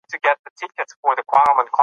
هغې درې جراحي عملیاتونه کړي دي.